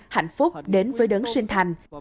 hạnh phúc đến với đớn sinh thành